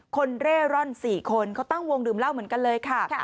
เร่ร่อน๔คนเขาตั้งวงดื่มเหล้าเหมือนกันเลยค่ะ